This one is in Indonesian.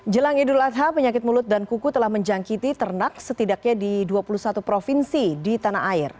jelang idul adha penyakit mulut dan kuku telah menjangkiti ternak setidaknya di dua puluh satu provinsi di tanah air